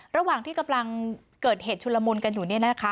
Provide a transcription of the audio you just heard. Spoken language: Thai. ระหว่างที่กำลังเกิดเหตุชุลมุนกันอยู่